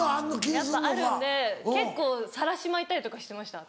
やっぱあるんで結構さらし巻いたりとかしてました。